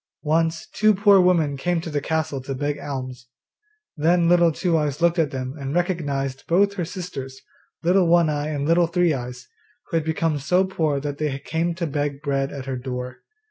Once two poor women came to the castle to beg alms. Then Little Two eyes looked at then and recognised both her sisters, Little One eye and Little Three eyes, who had become so poor that they came to beg bread at her door.